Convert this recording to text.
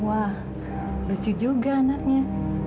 wah lucu juga anaknya